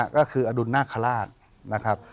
ก็คืออดุลน่าขลาดนะครับ